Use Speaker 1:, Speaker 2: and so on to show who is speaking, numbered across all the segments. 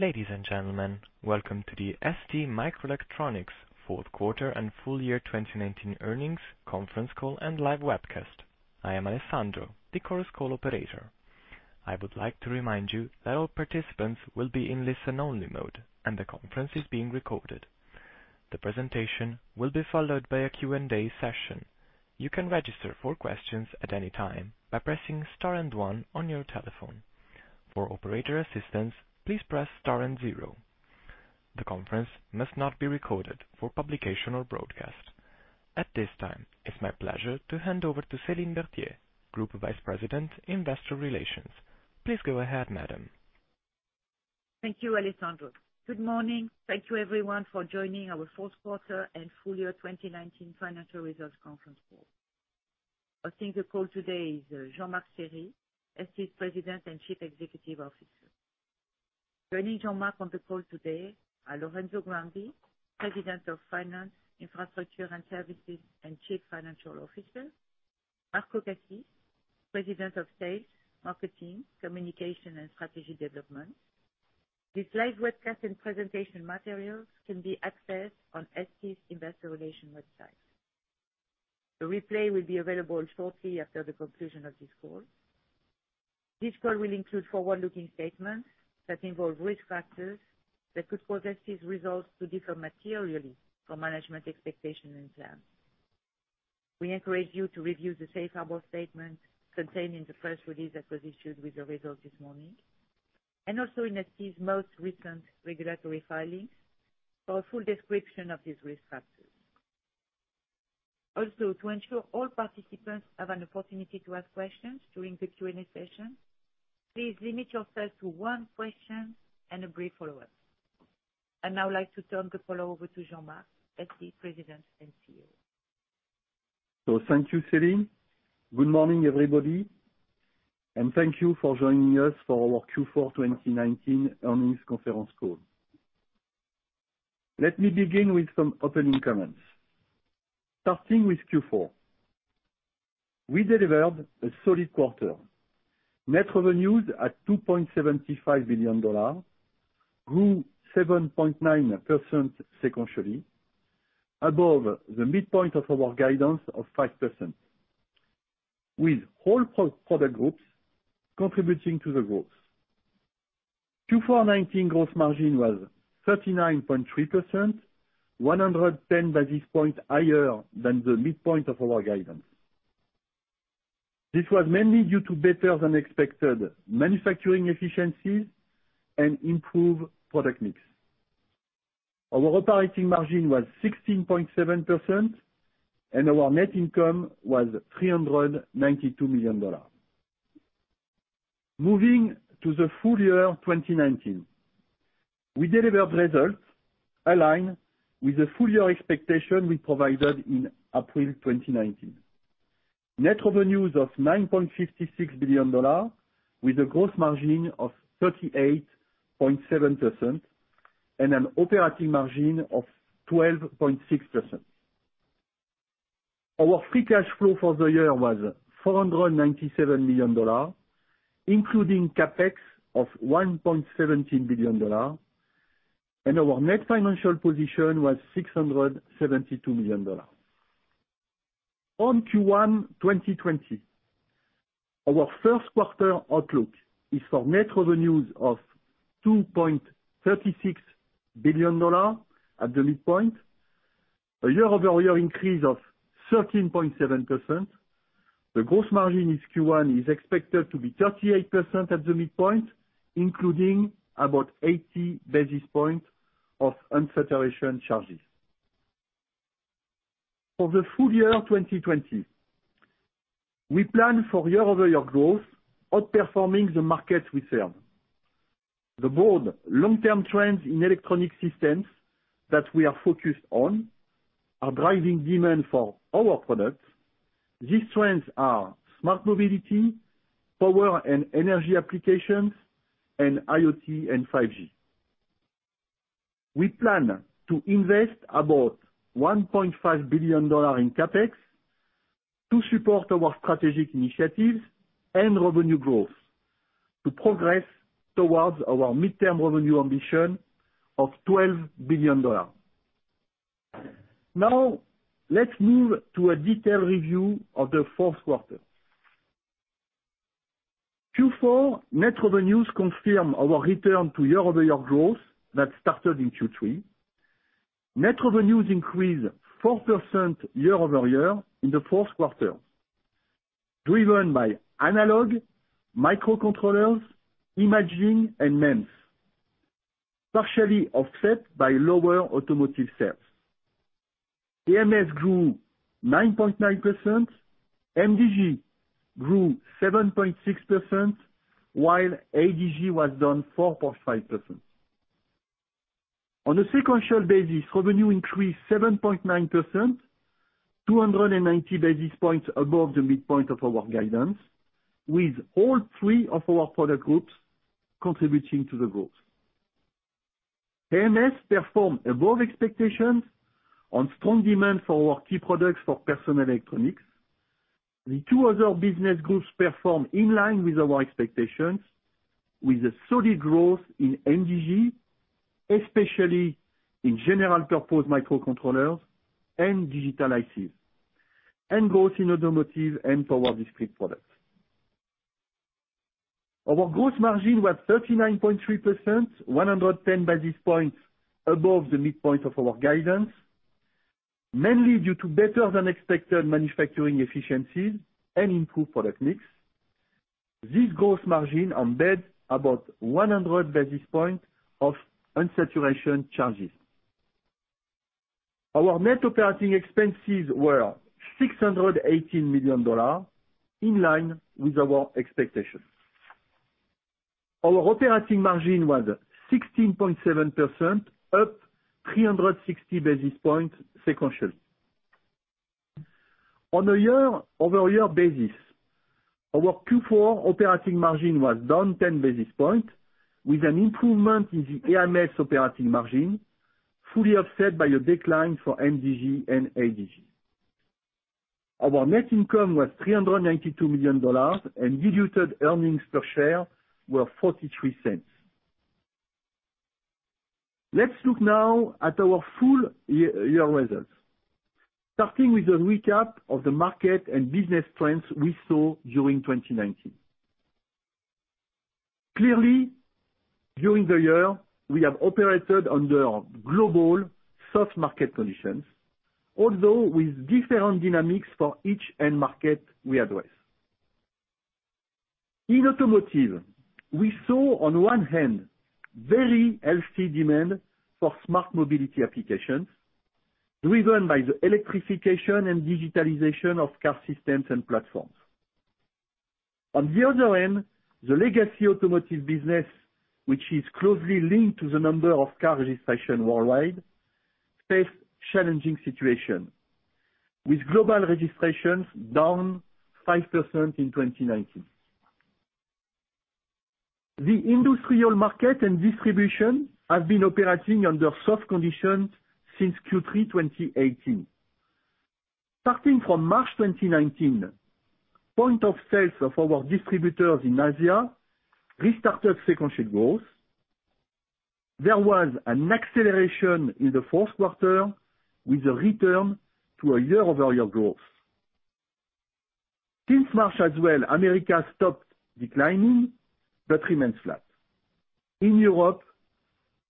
Speaker 1: Ladies and gentlemen, welcome to the STMicroelectronics fourth quarter and full year 2019 earnings conference call and live webcast. I am Alessandro, the Chorus Call operator. I would like to remind you that all participants will be in listen-only mode and the conference is being recorded. The presentation will be followed by a Q&A session. You can register for questions at any time by pressing star and one on your telephone. For operator assistance, please press star and zero. The conference must not be recorded for publication or broadcast. At this time, it's my pleasure to hand over to Céline Berthier, Group Vice President, Investor Relations. Please go ahead, madam.
Speaker 2: Thank you, Alessandro. Good morning. Thank you everyone for joining our fourth quarter and full year 2019 financial results conference call. Hosting the call today is Jean-Marc Chéry, ST's President and Chief Executive Officer. Joining Jean-Marc on the call today are Lorenzo Grandi, President of Finance, Infrastructure and Services, and Chief Financial Officer, Marco Cassis, President of Sales, Marketing, Communication, and Strategy Development. This live webcast and presentation materials can be accessed on ST's investor relation website. The replay will be available shortly after the conclusion of this call. This call will include forward-looking statements that involve risk factors that could cause ST's results to differ materially from management's expectations and plans. We encourage you to review the safe harbor statement contained in the press release that was issued with the results this morning, and also in ST's most recent regulatory filings for a full description of these risk factors. To ensure all participants have an opportunity to ask questions during the Q&A session, please limit yourself to one question and a brief follow-up. I'd now like to turn the call over to Jean-Marc, ST President and CEO.
Speaker 3: Thank you, Céline. Good morning, everybody, and thank you for joining us for our Q4 2019 earnings conference call. Let me begin with some opening comments. Starting with Q4, we delivered a solid quarter. Net revenues at $2.75 billion, grew 7.9% sequentially, above the midpoint of our guidance of 5%, with all product groups contributing to the growth. Q4 2019 gross margin was 39.3%, 110 basis points higher than the midpoint of our guidance. This was mainly due to better-than-expected manufacturing efficiencies and improved product mix. Our operating margin was 16.7% and our net income was $392 million. Moving to the full year 2019, we delivered results aligned with the full-year expectation we provided in April 2019. Net revenues of $9.56 billion with a gross margin of 38.7% and an operating margin of 12.6%. Our free cash flow for the year was $497 million, including CapEx of $1.17 billion, and our net financial position was $672 million. On Q1 2020, our first quarter outlook is for net revenues of $2.36 billion at the midpoint, a year-over-year increase of 13.7%. The gross margin in Q1 is expected to be 38% at the midpoint, including about 80 basis points of unsaturation charges. For the full year 2020, we plan for year-over-year growth outperforming the market we serve. The broad long-term trends in electronic systems that we are focused on are driving demand for our products. These trends are smart mobility, power and energy applications, and IoT and 5G. We plan to invest about $1.5 billion in CapEx to support our strategic initiatives and revenue growth to progress towards our midterm revenue ambition of $12 billion. Now, let's move to a detailed review of the fourth quarter. Q4 net revenues confirm our return to year-over-year growth that started in Q3. Net revenues increased 4% year-over-year in the fourth quarter, driven by analog, microcontrollers, imaging, and MEMS, partially offset by lower automotive sales. AMS grew 9.9%, MDG grew 7.6%, while ADG was down 4.5%. On a sequential basis, revenue increased 7.9%, 290 basis points above the midpoint of our guidance, with all three of our product groups contributing to the growth. AMS performed above expectations on strong demand for our key products for personal electronics. The two other business groups perform in line with our expectations, with a solid growth in MDG, especially in general purpose microcontrollers and digital ICs, and growth in automotive and power discrete products. Our gross margin was 39.3%, 110 basis points above the midpoint of our guidance, mainly due to better than expected manufacturing efficiencies and improved product mix. This gross margin embeds about 100 basis points of unsaturation charges. Our net operating expenses were $618 million, in line with our expectations. Our operating margin was 16.7%, up 360 basis points sequentially. On a year-over-year basis, our Q4 operating margin was down 10 basis points, with an improvement in the AMS operating margin, fully offset by a decline for MDG and ADG. Our net income was $392 million, and diluted earnings per share were $0.43. Let's look now at our full year results. Starting with a recap of the market and business trends we saw during 2019. Clearly, during the year, we have operated under global soft market conditions, although with different dynamics for each end market we address. In automotive, we saw on one hand, very healthy demand for smart mobility applications, driven by the electrification and digitalization of car systems and platforms. On the other end, the legacy automotive business, which is closely linked to the number of car registration worldwide, faced challenging situation, with global registrations down 5% in 2019. The industrial market and distribution have been operating under soft conditions since Q3 2018. Starting from March 2019, point of sales for our distributors in Asia restarted sequential growth. There was an acceleration in the fourth quarter with a return to a year-over-year growth. Since March as well, America stopped declining but remains flat. In Europe,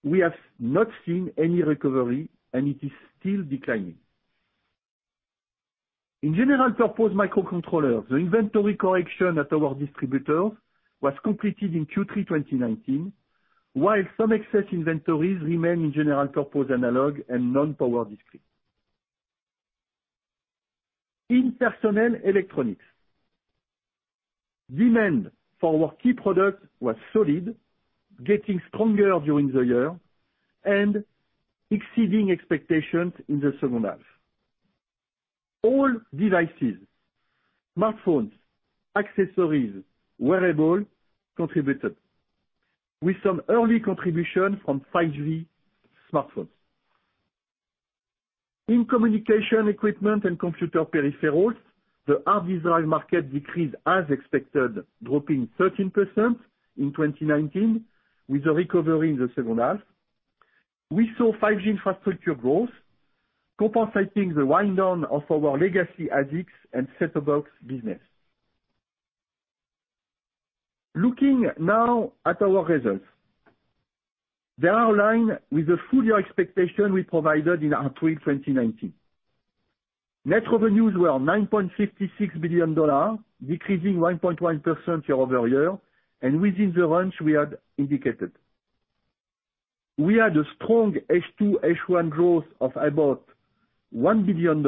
Speaker 3: we have not seen any recovery and it is still declining. In general purpose microcontrollers, the inventory correction at our distributors was completed in Q3 2019, while some excess inventories remain in general purpose analog and non-power discrete. In personal electronics, demand for our key product was solid, getting stronger during the year and exceeding expectations in the second half. All devices, smartphones, accessories, wearables, contributed, with some early contribution from 5G smartphones. In communication equipment and computer peripherals, the hard disk drive market decreased as expected, dropping 13% in 2019 with a recovery in the second half. We saw 5G infrastructure growth, compensating the wind down of our legacy ASICs and set-top box business. Looking now at our results. They are in line with the full-year expectation we provided in April 2019. Net revenues were $9.56 billion, decreasing 1.1% year-over-year and within the range we had indicated. We had a strong H2, H1 growth of about $1 billion,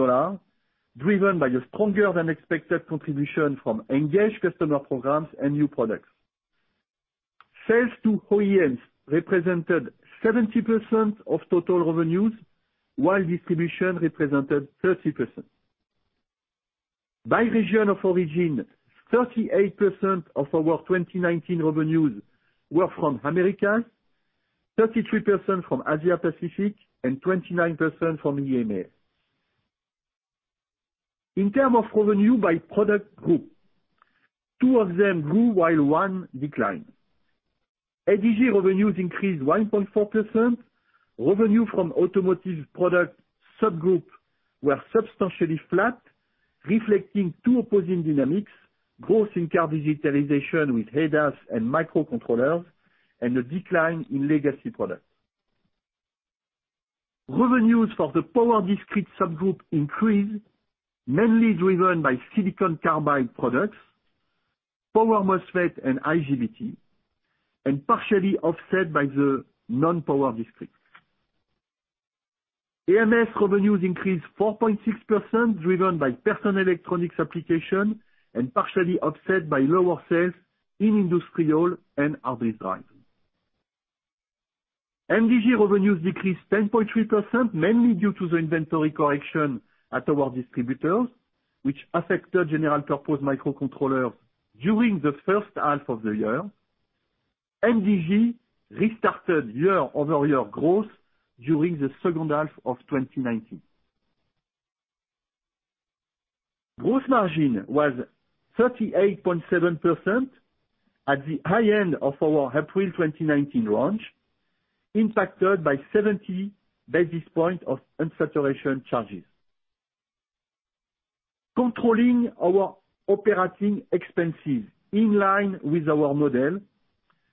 Speaker 3: driven by a stronger than expected contribution from engaged customer programs and new products. Sales to OEMs represented 70% of total revenues, while distribution represented 30%. By region of origin, 38% of our 2019 revenues were from Americas, 33% from Asia Pacific, and 29% from EMEA. In terms of revenue by product group, two of them grew while one declined. ADG revenues increased 1.4%. Revenue from automotive product subgroup were substantially flat, reflecting two opposing dynamics, growth in car digitalization with ADAS and microcontrollers, and a decline in legacy products. Revenues for the power discrete subgroup increased, mainly driven by silicon carbide products, Power MOSFETs and IGBTs, and partially offset by the non-power discrete. AMS revenues increased 4.6%, driven by personal electronics application and partially offset by lower sales in industrial and hard disk drive. MDG revenues decreased 10.3%, mainly due to the inventory correction at our distributors, which affected general purpose microcontrollers during the first half of the year. MDG restarted year-over-year growth during the second half of 2019. Gross margin was 38.7% at the high end of our April 2019 launch, impacted by 70 basis points of unsaturation charges. Controlling our operating expenses in line with our model,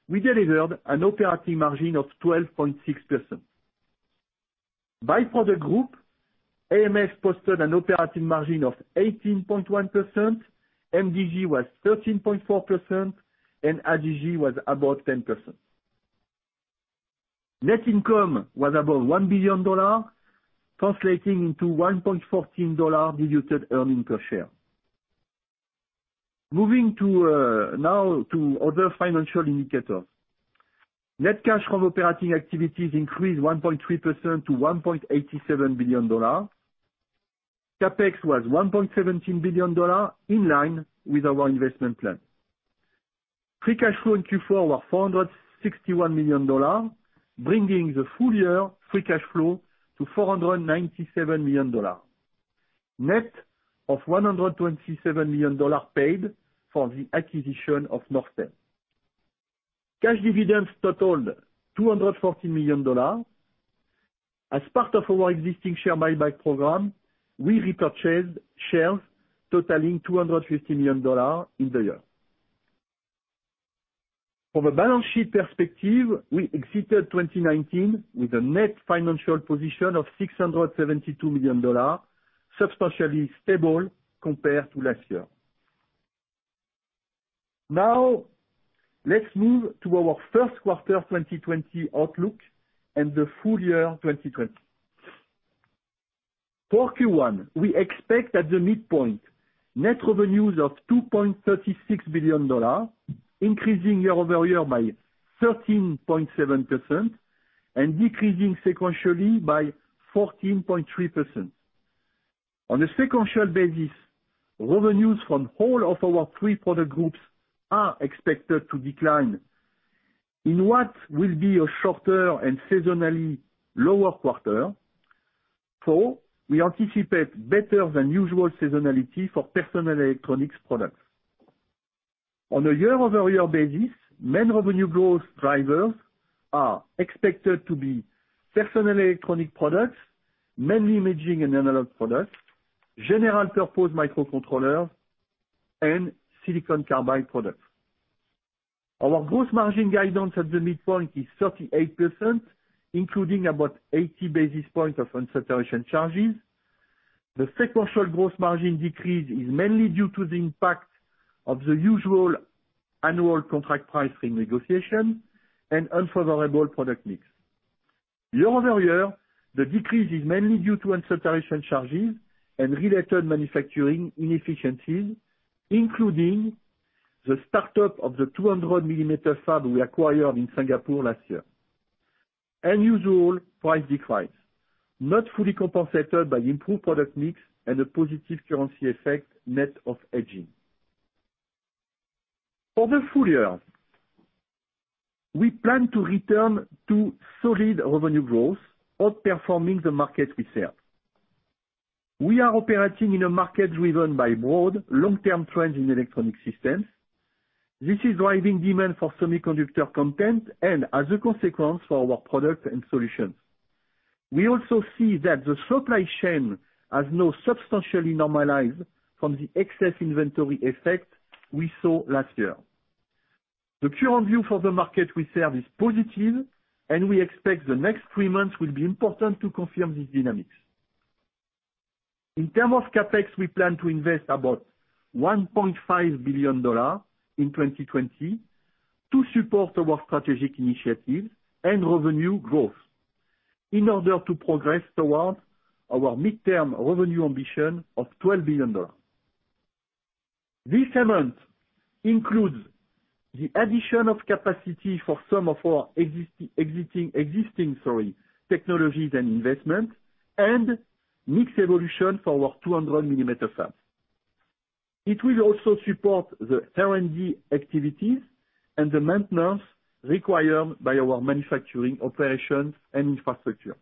Speaker 3: we delivered an operating margin of 12.6%. By product group, AMS posted an operating margin of 18.1%, MDG was 13.4%, and ADG was above 10%. Net income was above $1 billion, translating into $1.14 diluted earning per share. Moving now to other financial indicators. Net cash from operating activities increased 1.3% to $1.87 billion. CapEx was $1.17 billion, in line with our investment plan. Free cash flow in Q4 was $461 million, bringing the full year free cash flow to $497 million, net of $127 million paid for the acquisition of Norstel. Cash dividends totaled $214 million. As part of our existing share buyback program, we repurchased shares totaling $250 million in the year. From a balance sheet perspective, we exited 2019 with a net financial position of $672 million, substantially stable compared to last year. Now, let's move to our first quarter 2020 outlook and the full year 2020. For Q1, we expect at the midpoint net revenues of $2.36 billion, increasing year-over-year by 13.7% and decreasing sequentially by 14.3%. On a sequential basis, revenues from all of our three product groups are expected to decline in what will be a shorter and seasonally lower quarter. We anticipate better than usual seasonality for personal electronics products. On a year-over-year basis, main revenue growth drivers are expected to be personal electronic products, mainly imaging and analog products, general purpose microcontrollers, and silicon carbide products. Our gross margin guidance at the midpoint is 38%, including about 80 basis points of unsaturation charges. The sequential gross margin decrease is mainly due to the impact of the usual annual contract pricing negotiation and unfavorable product mix. Year-over-year, the decrease is mainly due to unsaturation charges and related manufacturing inefficiencies, including the start-up of the 200 mm fab we acquired in Singapore last year. Unusual price declines, not fully compensated by improved product mix and a positive currency effect net of hedging. For the full year, we plan to return to solid revenue growth, outperforming the market we serve. We are operating in a market driven by broad long-term trends in electronic systems. This is driving demand for semiconductor content and as a consequence for our products and solutions. We also see that the supply chain has now substantially normalized from the excess inventory effect we saw last year. The current view for the market we serve is positive, and we expect the next three months will be important to confirm these dynamics. In terms of CapEx, we plan to invest about $1.5 billion in 2020 to support our strategic initiatives and revenue growth in order to progress towards our midterm revenue ambition of $12 billion. This amount includes the addition of capacity for some of our existing technologies and investment and mix evolution for our 200 mm fabs. It will also support the R&D activities and the maintenance required by our manufacturing operations and infrastructure.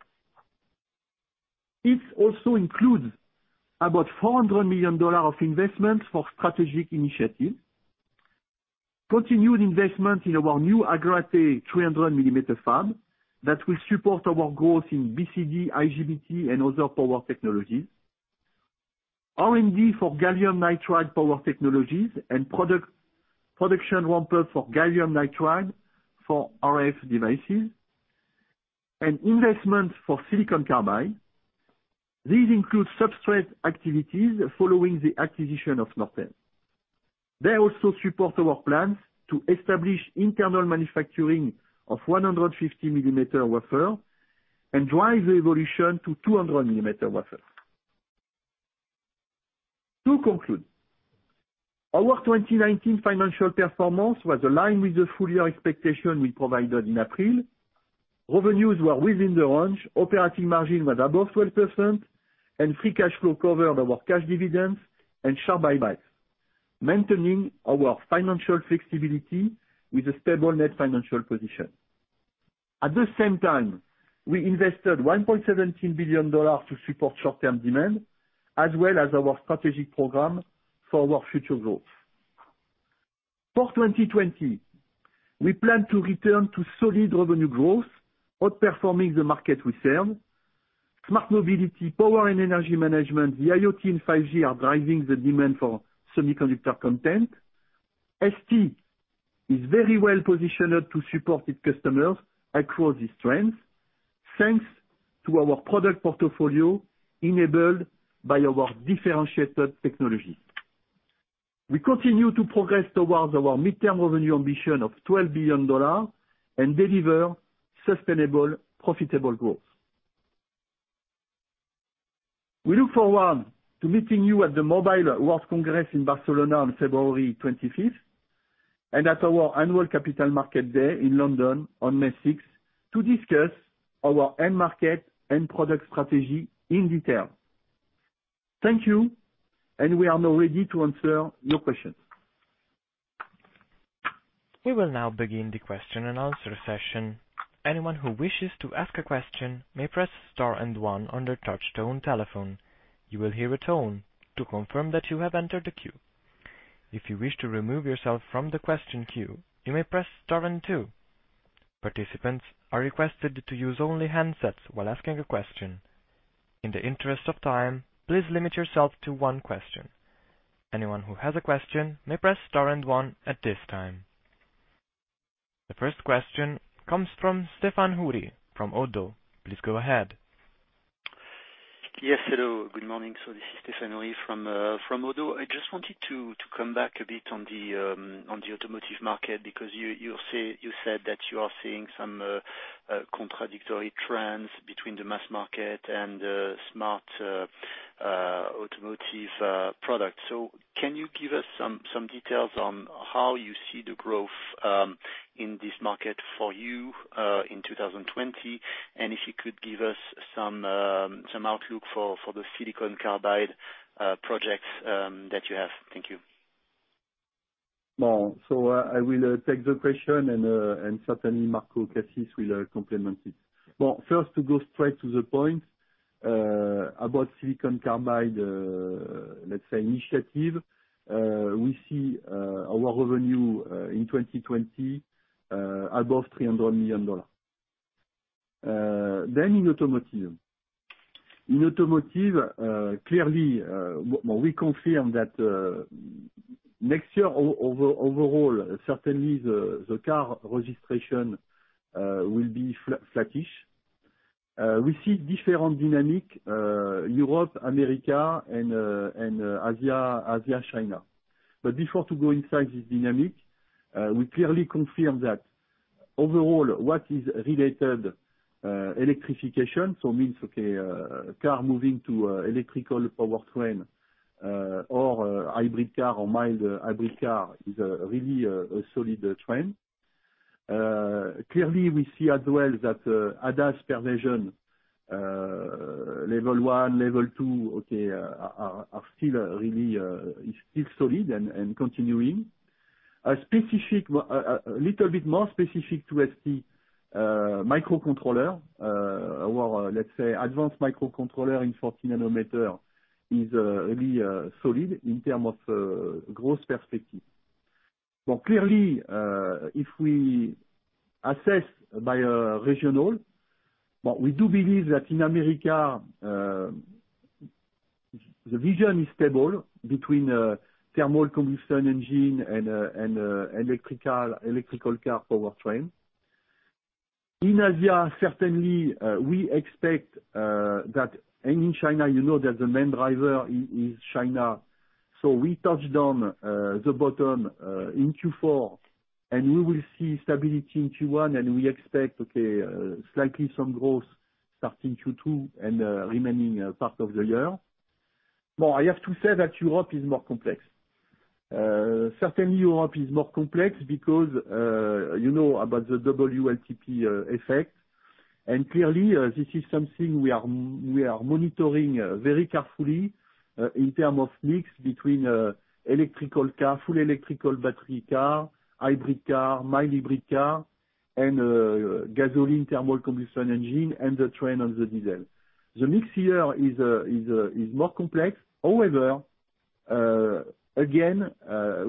Speaker 3: It also includes about $400 million of investments for strategic initiatives, continued investment in our new Agrate 300 mm fab that will support our growth in BCD, IGBT, and other power technologies, R&D for gallium nitride power technologies and production ramp-up for gallium nitride for RF devices, and investment for silicon carbide. These include substrate activities following the acquisition of Norstel. They also support our plans to establish internal manufacturing of 150 mm wafer and drive the evolution to 200 mm wafer. To conclude, our 2019 financial performance was aligned with the full year expectation we provided in April. Revenues were within the range. Operating margin was above 12%, and free cash flow covered our cash dividends and share buybacks, maintaining our financial flexibility with a stable net financial position. At the same time, we invested $1.17 billion to support short-term demand, as well as our strategic program for our future growth. For 2020, we plan to return to solid revenue growth, outperforming the market we serve. Smart mobility, power and energy management, the IoT, and 5G are driving the demand for semiconductor content. ST is very well-positioned to support its customers across the strengths, thanks to our product portfolio enabled by our differentiated technology. We continue to progress towards our midterm revenue ambition of $12 billion and deliver sustainable, profitable growth. We look forward to meeting you at the Mobile World Congress in Barcelona on February 25th, and at our annual Capital Market Day in London on May 6th, to discuss our end market and product strategy in detail. Thank you. We are now ready to answer your questions.
Speaker 1: We will now begin the question-and-answer session. Anyone who wishes to ask a question may press star and one on their touch-tone telephone. You will hear a tone to confirm that you have entered the queue. If you wish to remove yourself from the question queue, you may press star and two. Participants are requested to use only handsets while asking a question. In the interest of time, please limit yourself to one question. Anyone who has a question may press star and one at this time. The first question comes from Stéphane Houri, from ODDO Please go ahead.
Speaker 4: Yes. Hello. Good morning. This is Stéphane Houri from ODDO. I just wanted to come back a bit on the automotive market, because you said that you are seeing some contradictory trends between the mass market and smart automotive products. Can you give us some details on how you see the growth in this market for you, in 2020? If you could give us some outlook for the silicon carbide projects that you have. Thank you.
Speaker 3: I will take the question, and certainly Marco Cassis will complement it. Well, first, to go straight to the point, about silicon carbide, let's say, initiative, we see our revenue in 2020 above $300 million. In automotive. In automotive, clearly, we confirm that next year overall, certainly the car registration will be flattish. We see different dynamic, Europe, America, and Asia, China. Before to go inside this dynamic, we clearly confirm that overall, what is related electrification, so means a car moving to electrical powertrain, or hybrid car or mild hybrid car is really a solid trend. Clearly, we see as well that ADAS perception, level one, level two, are still solid and continuing. A little bit more specific to ST microcontroller, or let's say advanced microcontroller in 40 nm is really solid in term of growth perspective. Clearly, if we assess by regional, we do believe that in America, the vision is stable between thermal combustion engine and electrical car powertrain. In Asia, certainly, we expect that, and in China, you know that the main driver is China. We touched on the bottom in Q4, and we will see stability in Q1, and we expect slightly some growth starting Q2 and remaining part of the year. I have to say that Europe is more complex. Certainly Europe is more complex because you know about the WLTP effect, and clearly this is something we are monitoring very carefully in term of mix between electrical car, full electrical battery car, hybrid car, mild hybrid car, and gasoline thermal combustion engine, and the trend on the diesel. The mix here is more complex. Again,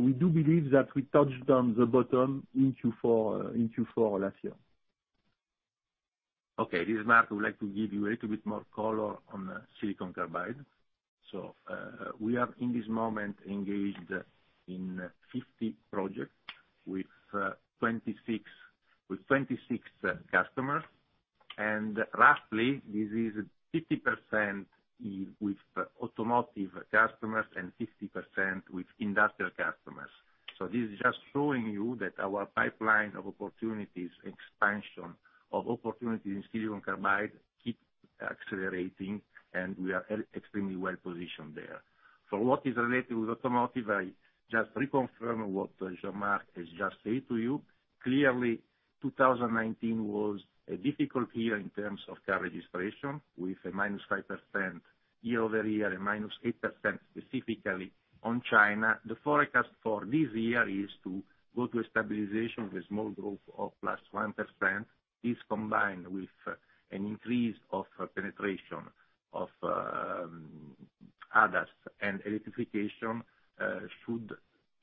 Speaker 3: we do believe that we touched on the bottom in Q4 last year.
Speaker 5: Okay. This is Marco. I would like to give you a little bit more color on silicon carbide. We are, in this moment, engaged in 50 projects with 26 customers, and roughly this is 50% with automotive customers and 50% with industrial customers. This is just showing you that our pipeline of opportunities, expansion of opportunities in silicon carbide keep accelerating, and we are extremely well-positioned there. For what is related with automotive, I just reconfirm what Jean-Marc has just said to you. Clearly, 2019 was a difficult year in terms of car registration, with a -5% year-over-year, and -8% specifically on China. The forecast for this year is to go to a stabilization with small growth of +1%. This, combined with an increase of penetration of ADAS and electrification, should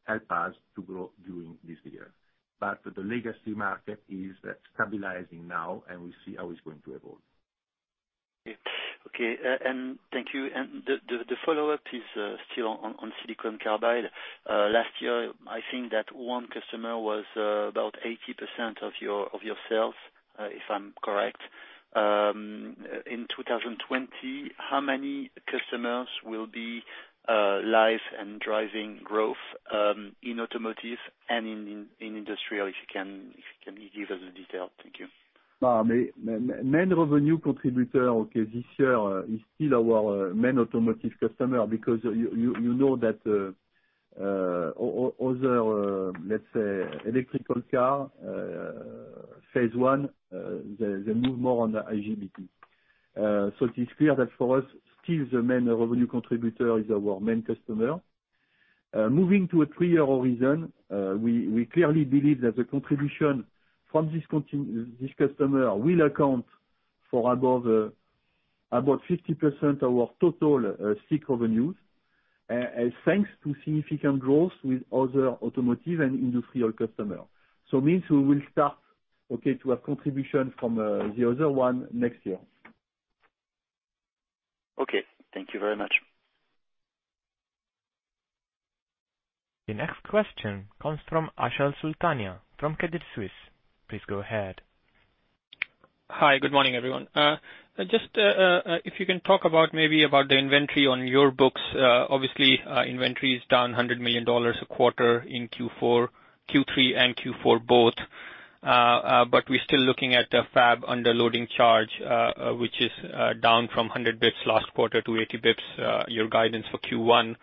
Speaker 5: help us to grow during this year. The legacy market is stabilizing now, and we see how it's going to evolve.
Speaker 4: Okay. Thank you. The follow-up is still on silicon carbide. Last year, I think that one customer was about 80% of your sales, if I'm correct. In 2020, how many customers will be live and driving growth in automotive and in industrial, if you can give us the detail? Thank you.
Speaker 3: Main revenue contributor, okay, this year is still our main automotive customer because you know that other, let's say, electrical car, phase I, they move more on the IGBT. It is clear that for us, still the main revenue contributor is our main customer. Moving to a three-year horizon, we clearly believe that the contribution from this customer will account for above 50% our total SiC revenues, and thanks to significant growth with other automotive and industrial customer. Means we will start to have contributions from the other one next year.
Speaker 4: Okay. Thank you very much.
Speaker 1: The next question comes from Achal Sultania from Credit Suisse. Please go ahead.
Speaker 6: If you can talk about the inventory on your books. Inventory is down $100 million a quarter in Q4, Q3 and Q4 both. We're still looking at the unsaturation charges, which is down from 100 basis points last quarter to 80 basis points, your guidance for Q1.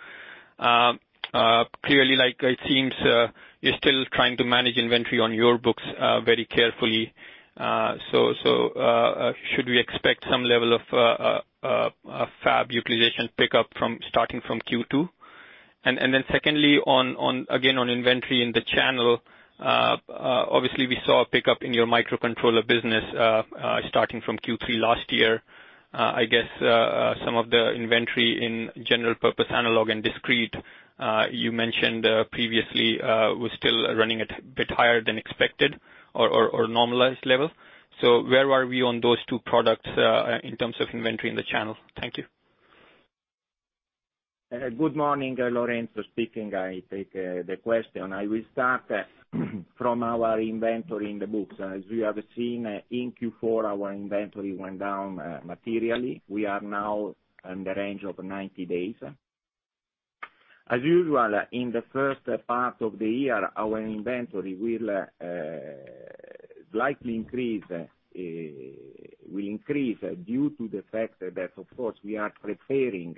Speaker 6: It seems you're still trying to manage inventory on your books very carefully. Should we expect some level of fab utilization pickup starting from Q2? Secondly, again, on inventory in the channel. We saw a pickup in your microcontroller business, starting from Q3 last year. I guess, some of the inventory in general purpose analog and discrete, you mentioned previously, was still running a bit higher than expected or normalized level. Where are we on those two products in terms of inventory in the channel? Thank you.
Speaker 7: Good morning. Lorenzo speaking. I take the question. I will start from our inventory in the books. As we have seen in Q4, our inventory went down materially. We are now in the range of 90 days. As usual, in the first part of the year, our inventory will likely increase. Will increase due to the fact that, of course, we are preparing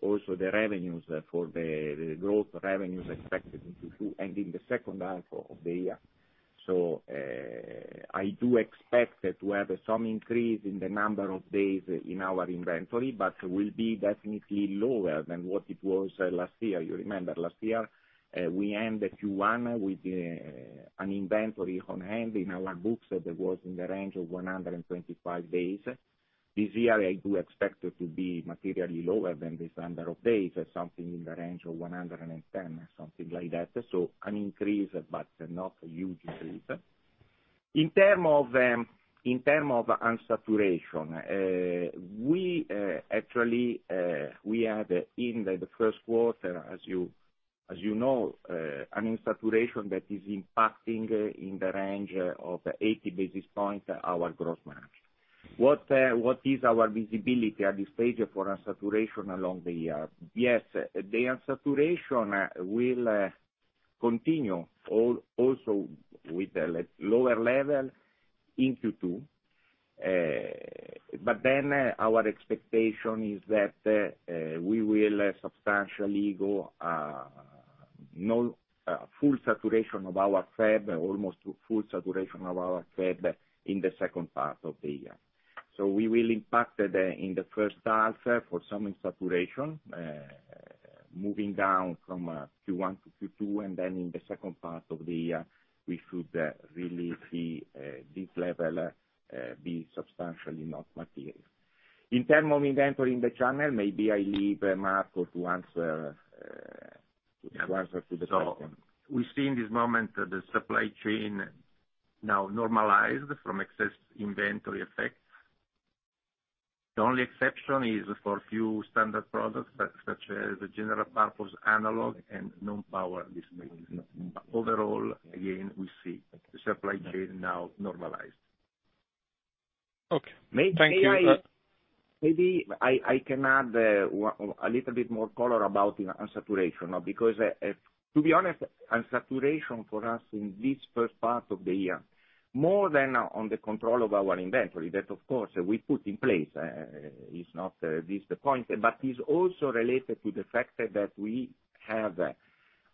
Speaker 7: also the revenues for the growth revenues expected in Q2 and in the second half of the year. I do expect to have some increase in the number of days in our inventory, but will be definitely lower than what it was last year. You remember last year, we end the Q1 with an inventory on hand in our books that was in the range of 125 days. This year, I do expect it to be materially lower than this number of days, something in the range of 110 or something like that. An increase, but not a huge increase. In term of unsaturation, actually, we are in the first quarter, as you know, an unsaturation that is impacting in the range of 80 basis points our gross margin. What is our visibility at this stage for unsaturation along the year? Yes, the unsaturation will continue also with a lower level in Q2. Our expectation is that we will substantially go full saturation of our fab, almost full saturation of our fab in the second part of the year. We will impact in the first half for some unsaturation, moving down from Q1 to Q2, and then in the second part of the year, we should really see this level be substantially not material. In terms of inventory in the channel, maybe I leave Marco to answer the question.
Speaker 5: We see in this moment the supply chain now normalized from excess inventory effects. The only exception is for few standard products, such as general purpose analog and non-power discrete. Overall, again, we see the supply chain now normalized.
Speaker 6: Okay. Thank you.
Speaker 7: Maybe I can add a little bit more color about unsaturation, because to be honest, unsaturation for us in this first part of the year, more than on the control of our inventory, that of course, we put in place, is not this the point, but is also related to the fact that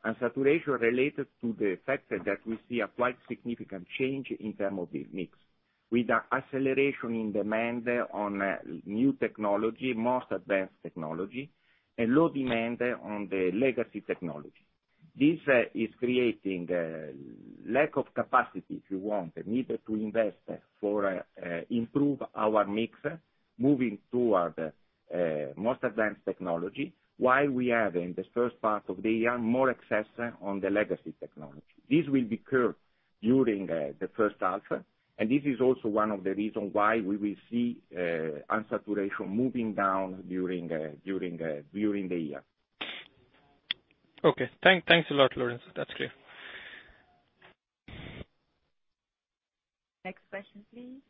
Speaker 7: unsaturation related to the factor that we see a quite significant change in term of the mix, with an acceleration in demand on new technology, most advanced technology, and low demand on the legacy technology. This is creating lack of capacity, if you want, the need to invest for improve our mix, moving toward most advanced technology while we have, in this first part of the year, more excess on the legacy technology. This will be curbed during the first half, and this is also one of the reason why we will see unsaturation moving down during the year.
Speaker 6: Okay. Thanks a lot, Lorenzo. That's clear.
Speaker 2: Next question, please.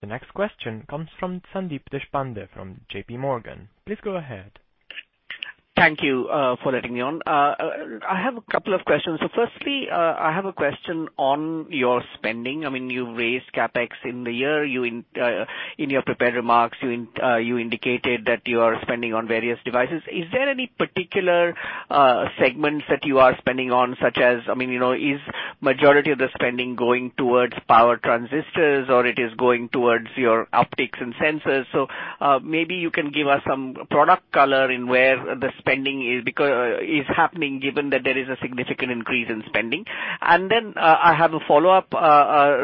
Speaker 1: The next question comes from Sandeep Deshpande from JPMorgan. Please go ahead.
Speaker 8: Thank you, for letting me on. I have a couple of questions. Firstly, I have a question on your spending. You raised CapEx in the year. In your prepared remarks, you indicated that you are spending on various devices. Is there any particular segments that you are spending on, such as, is majority of the spending going towards Power MOSFETs, or it is going towards your optics and sensors? Maybe you can give us some product color in where the spending is happening, given that there is a significant increase in spending. I have a follow-up,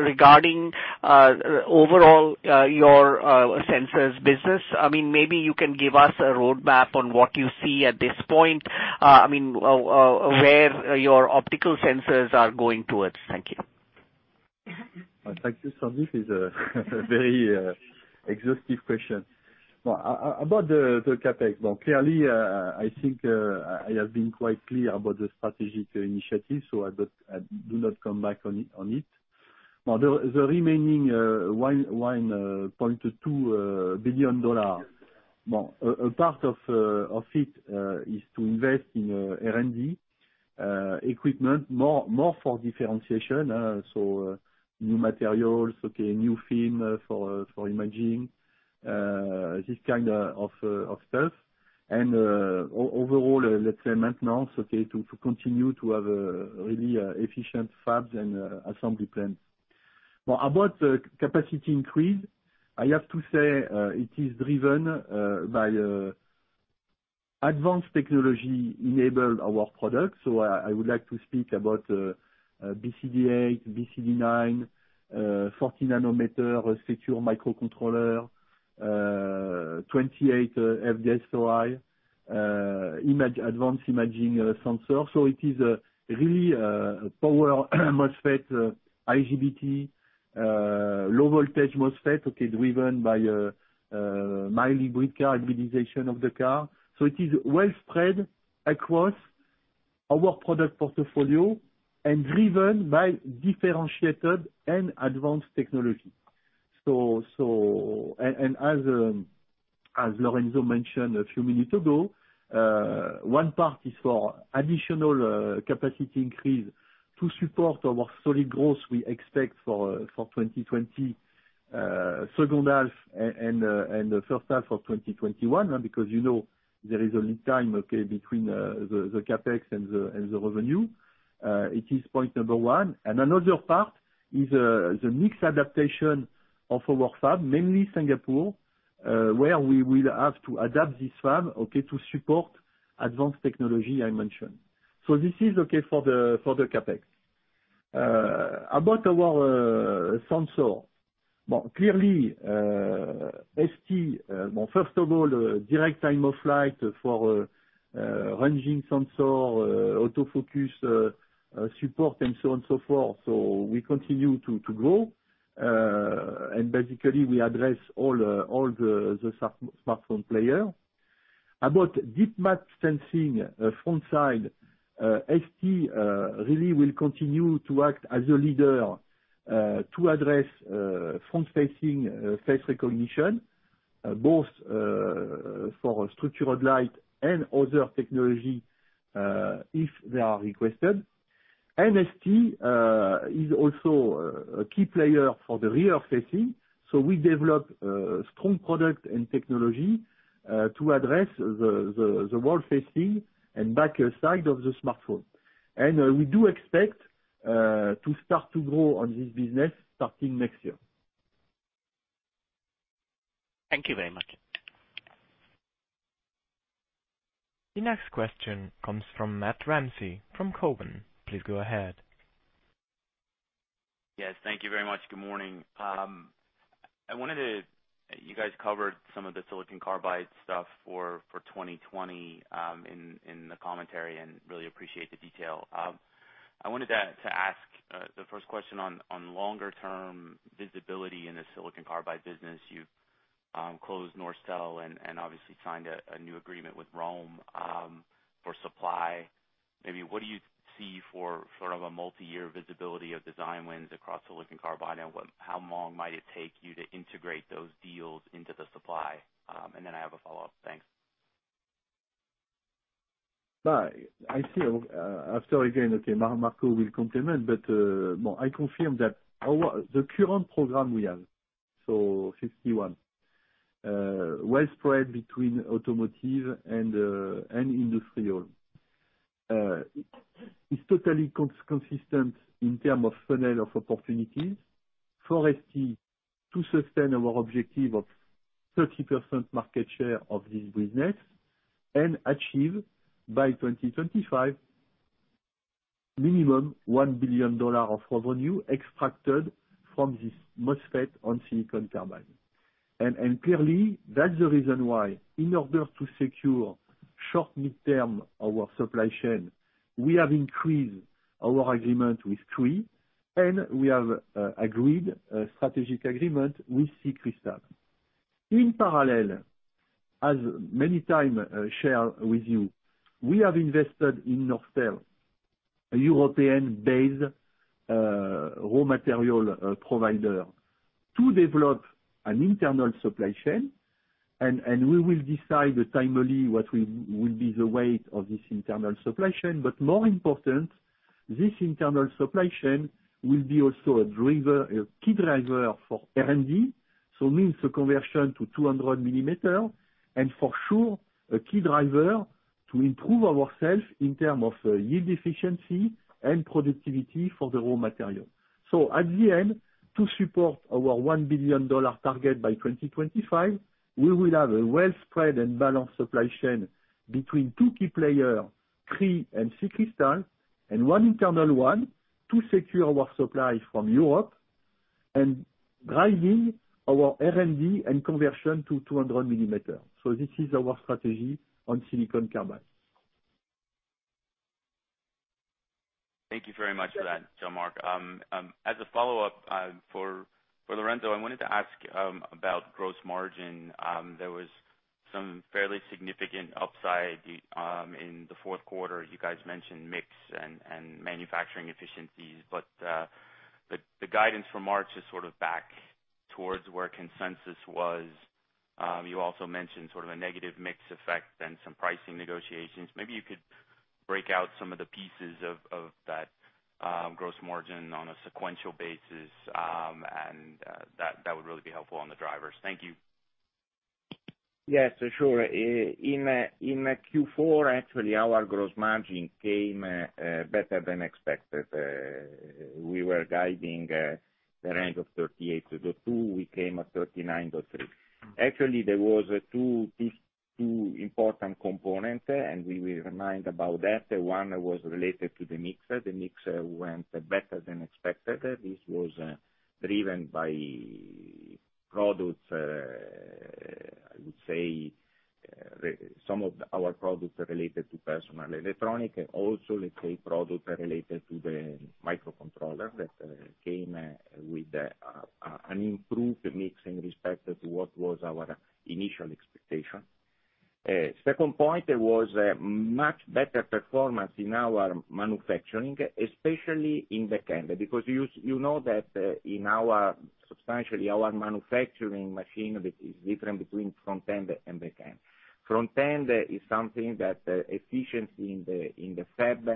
Speaker 8: regarding overall, your sensors business. Maybe you can give us a roadmap on what you see at this point, where your optical sensors are going towards. Thank you.
Speaker 3: Thank you, Sandeep. It's a very exhaustive question. About the CapEx, clearly, I think I have been quite clear about the strategic initiative, I do not come back on it. The remaining $1.2 billion, a part of it is to invest in R&D, equipment, more for differentiation. New materials, okay, new film for imaging, this kind of stuff. Overall, let's say maintenance, okay, to continue to have a really efficient fabs and assembly plan. About the capacity increase, I have to say, it is driven by advanced technology-enabled award products. I would like to speak about BCD8, BCD9, 40-nm secure microcontroller, 28 FD-SOI, advanced imaging sensor. It is really a Power MOSFET, IGBT, low voltage MOSFET, okay, driven by a mild hybrid car, hybridization of the car. It is widespread across our product portfolio and driven by differentiated and advanced technology. As Lorenzo mentioned a few minutes ago, one part is for additional capacity increase to support our solid growth we expect for 2020, second half and the first half of 2021, because there is a lead time, okay, between the CapEx and the revenue. It is point number one. Another part is the mixed adaptation of our fab, mainly Singapore, where we will have to adapt this fab, okay, to support advanced technology I mentioned. This is okay for the CapEx. About our sensor. Clearly, ST, first of all, direct time-of-flight for ranging sensor, autofocus support, and so on and so forth. We continue to grow. Basically, we address all the smartphone player. About depth map sensing front side, ST really will continue to act as a leader, to address front-facing face recognition, both for structured light and other technology, if they are requested. ST is also a key player for the rear facing, so we develop a strong product and technology, to address the world-facing and back side of the smartphone. We do expect to start to grow on this business starting next year.
Speaker 8: Thank you very much.
Speaker 1: The next question comes from Matt Ramsay from Cowen. Please go ahead.
Speaker 9: Yes, thank you very much. Good morning. You guys covered some of the silicon carbide stuff for 2020, in the commentary. Really appreciate the detail. I wanted to ask the first question on longer term visibility in the silicon carbide business. You closed Norstel and obviously signed a new agreement with ROHM for supply. Maybe what do you see for sort of a multi-year visibility of design wins across silicon carbide? How long might it take you to integrate those deals into the supply? Then I have a follow-up. Thanks.
Speaker 3: I see. After again, okay, Marco will complement, but, I confirm that the current program we have, so 61 well spread between automotive and industrial. It's totally consistent in term of funnel of opportunities for ST to sustain our objective of 30% market share of this business and achieve by 2025 minimum $1 billion of revenue extracted from this MOSFET on silicon carbide. Clearly, that's the reason why in order to secure short mid-term our supply chain, we have increased our agreement with Cree, and we have agreed a strategic agreement with SiCrystal. In parallel, as many time share with you, we have invested in Norstel, a European-based raw material provider to develop an internal supply chain. We will decide timely what will be the weight of this internal supply chain. More important, this internal supply chain will be also a key driver for R&D. Means the conversion to 200 mm and for sure, a key driver to improve ourselves in terms of yield efficiency and productivity for the raw material. At the end, to support our $1 billion target by 2025, we will have a well-spread and balanced supply chain between two key players, Cree and SiCrystal, and one internal one to secure our supply from Europe and driving our R&D and conversion to 200 mm. This is our strategy on silicon carbide.
Speaker 9: Thank you very much for that, Jean-Marc. As a follow-up, for Lorenzo, I wanted to ask about gross margin. There was some fairly significant upside in the fourth quarter. You guys mentioned mix and manufacturing efficiencies, but the guidance for March is sort of back towards where consensus was. You also mentioned sort of a negative mix effect and some pricing negotiations. Maybe you could break out some of the pieces of that gross margin on a sequential basis, and that would really be helpful on the drivers. Thank you.
Speaker 7: Yes, sure. In Q4, actually, our gross margin came better than expected. We were guiding the range of 38.2%. We came at 39.3%. Actually, there were two important components. We will remind about that. One was related to the mix. The mix went better than expected. This was driven by products, I would say, some of our products related to personal electronics and also, let's say, products related to the microcontroller that came with an improved mix in respect to what was our initial expectation. Second point, there was a much better performance in our manufacturing, especially in back-end. Because you know that substantially our manufacturing machine is different between front-end and back-end. Front-end is something that efficiency in the fab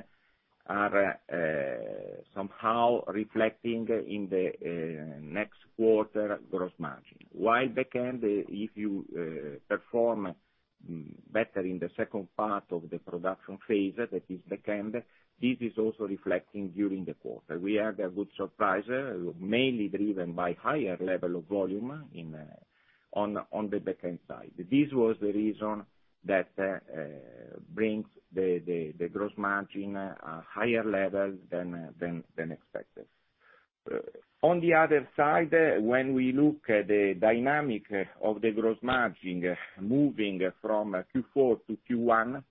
Speaker 7: is somehow reflecting in the next quarter gross margin. While back-end, if you perform better in the second part of the production phase, that is back-end, this is also reflecting during the quarter. We had a good surprise, mainly driven by higher level of volume on the back-end side. This was the reason that brings the gross margin higher level than expected. The other side, when we look at the dynamic of the gross margin moving from Q4-Q1,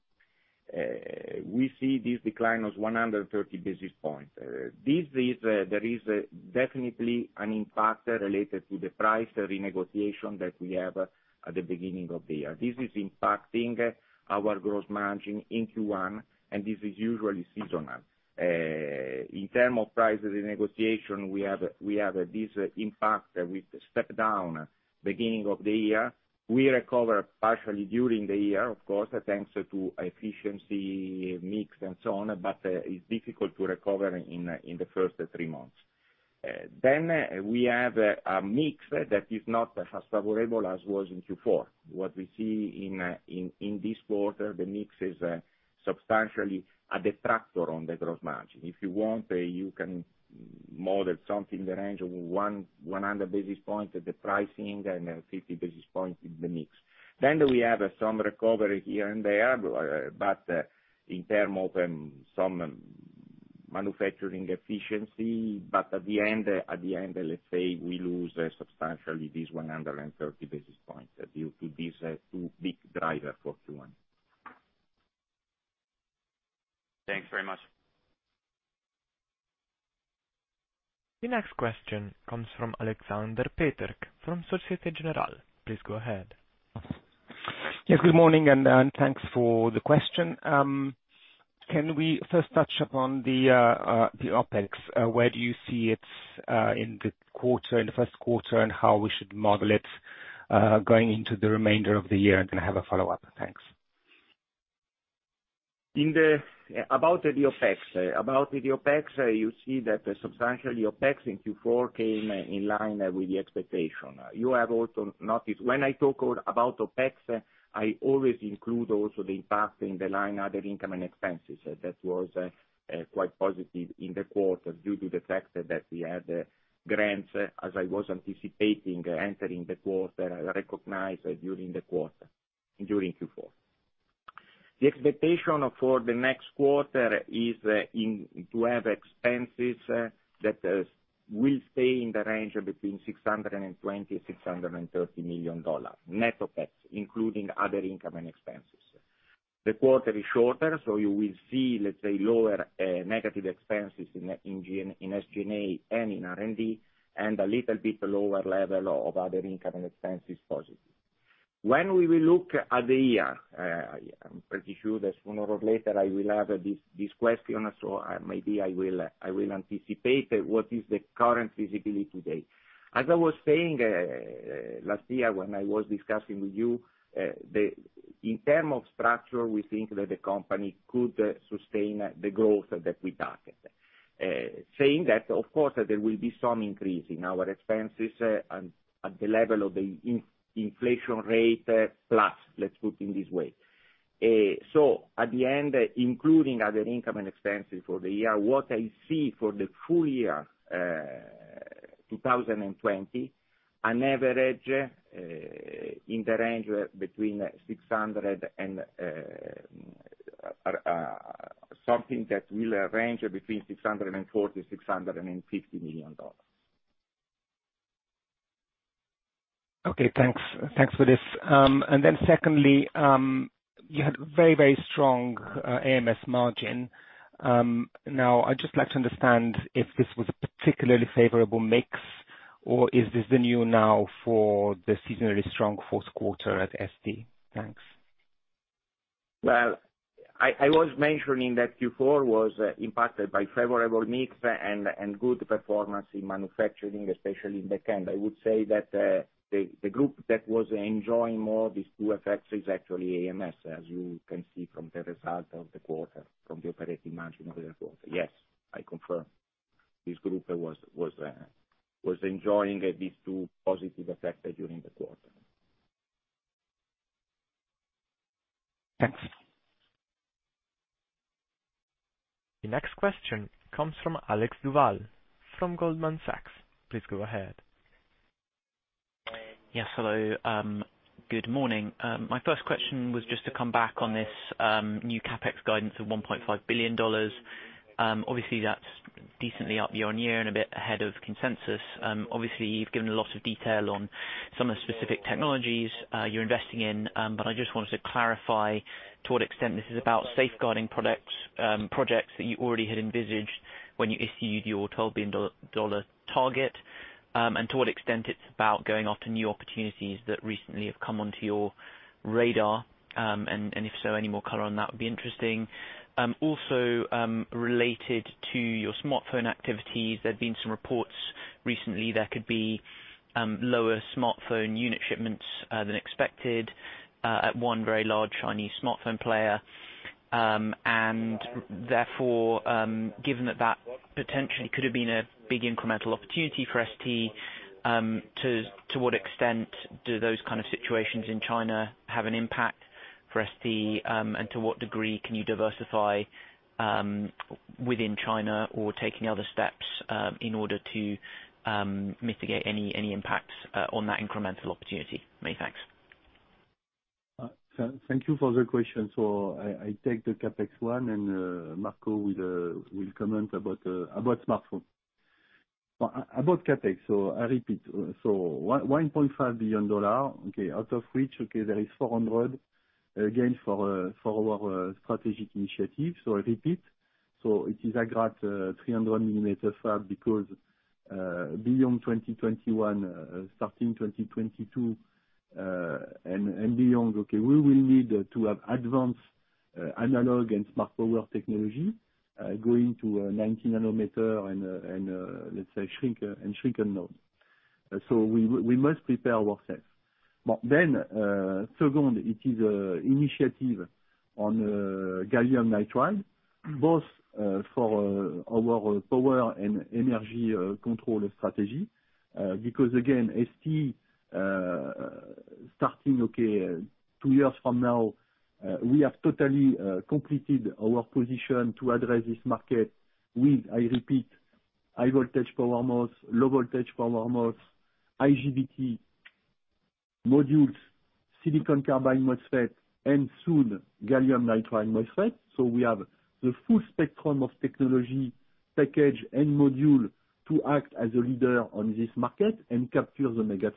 Speaker 7: we see this decline of 130 basis points. There is definitely an impact related to the price renegotiation that we have at the beginning of the year. This is impacting our gross margin in Q1. This is usually seasonal. In terms of prices in negotiation, we have this impact with step down beginning of the year. We recover partially during the year, of course, thanks to efficiency mix and so on, but it's difficult to recover in the first three months. We have a mix that is not as favorable as was in Q4. What we see in this quarter, the mix is substantially a detractor on the gross margin. If you want, you can model something in the range of 100 basis points at the pricing and 50 basis points in the mix. We have some recovery here and there, but in term of some manufacturing efficiency. At the end, let's say we lose substantially this 130 basis points due to these two big driver for Q1.
Speaker 9: Thanks very much.
Speaker 1: The next question comes from Aleksander Peterc from Société Générale. Please go ahead.
Speaker 10: Yes, good morning, and thanks for the question. Can we first touch upon the OpEx? Where do you see it in the first quarter, and how we should model it, going into the remainder of the year? Then I have a follow-up. Thanks.
Speaker 7: About the OpEx, you see that the substantial OpEx in Q4 came in line with the expectation. You have also noticed, when I talk about OpEx, I always include also the impact in the line other income and expenses. That was quite positive in the quarter due to the fact that we had grants, as I was anticipating, entering the quarter, recognized during Q4. The expectation for the next quarter is to have expenses that will stay in the range of between $620 million and $630 million. Net OpEx, including other income and expenses. The quarter is shorter, so you will see, let's say, lower negative expenses in SG&A and in R&D, and a little bit lower level of other income and expenses positive. When we will look at the year, I'm pretty sure that sooner or later I will have this question, maybe I will anticipate what is the current visibility today. As I was saying, last year when I was discussing with you, in terms of structure, we think that the company could sustain the growth that we target. Saying that, of course, there will be some increase in our expenses at the level of the inflation rate, plus, let's put in this way. At the end, including other income and expenses for the year, what I see for the full year 2020, an average in the range between something that will range between $640 million and $650 million.
Speaker 10: Okay, thanks. Thanks for this. Secondly, you had very strong AMS margin. I'd just like to understand if this was a particularly favorable mix, or is this the new now for the seasonally strong fourth quarter at ST? Thanks.
Speaker 7: Well, I was mentioning that Q4 was impacted by favorable mix and good performance in manufacturing, especially in the end. I would say that the group that was enjoying more these two effects is actually AMS, as you can see from the result of the quarter, from the operating margin of the quarter. Yes, I confirm. This group was enjoying these two positive effects during the quarter.
Speaker 10: Thanks.
Speaker 1: The next question comes from Alexander Duval from Goldman Sachs. Please go ahead.
Speaker 11: Yes, hello. Good morning. My first question was just to come back on this new CapEx guidance of $1.5 billion. Obviously, that's decently up year-on-year and a bit ahead of consensus. Obviously, you've given a lot of detail on some of the specific technologies you're investing in. I just wanted to clarify to what extent this is about safeguarding projects that you already had envisaged when you issued your $12 billion target, and to what extent it's about going after new opportunities that recently have come onto your radar. If so, any more color on that would be interesting. Also, related to your smartphone activities, there have been some reports recently there could be lower smartphone unit shipments than expected at one very large Chinese smartphone player. Therefore, given that that potentially could have been a big incremental opportunity for ST, to what extent do those kind of situations in China have an impact for ST? To what degree can you diversify within China or taking other steps in order to mitigate any impacts on that incremental opportunity? Many thanks.
Speaker 3: Thank you for the question. I take the CapEx one and Marco will comment about smartphone. About CapEx, I repeat. $1.5 billion, out of which there is $400 million, again, for our strategic initiative. I repeat. It is Agrate 300 mm fab, because beyond 2021, starting 2022, and beyond, we will need to have advanced analog and smart power technology, going to 90 nm and shrink a node. We must prepare ourselves. Second, it is initiative on gallium nitride, both for our power and energy control strategy. Again, ST, starting two years from now, we have totally completed our position to address this market with, I repeat, high Power MOSFET, low power mosfet, IGBT modules, Silicon Carbide MOSFET, and soon, Gallium Nitride MOSFET. We have the full spectrum of technology package and module to act as a leader on this market and capture the mega